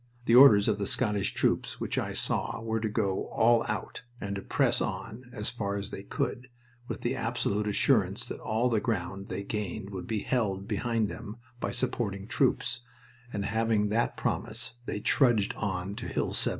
The orders of the Scottish troops, which I saw, were to go "all out," and to press on as far as they could, with the absolute assurance that all the ground they gained would be held behind them by supporting troops; and having that promise, they trudged on to Hill 70.